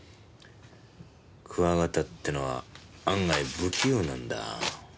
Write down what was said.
クワガタってのは案外不器用なんだ。